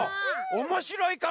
おもしろいかも！